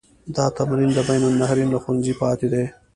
دا تمرین د بین النهرین له ښوونځي پاتې دی.